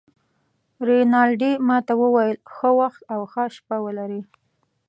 رینالډي ما ته وویل: ښه وخت او ښه شپه ولرې.